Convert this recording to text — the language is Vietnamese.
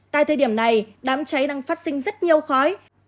tại thời điểm này đám cháy đang phát sinh rất nhiều khói